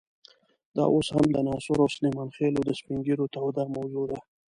دا اوس هم د ناصرو او سلیمان خېلو د سپین ږیرو توده موضوع ده.